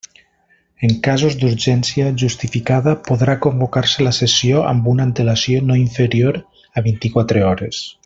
En casos d'urgència justificada podrà convocar-se la sessió amb una antelació no inferior a vint-i-quatre hores.